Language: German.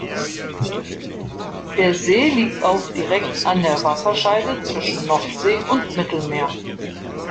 Der See liegt auf direkt an der Wasserscheide zwischen Nordsee und Mittelmeer.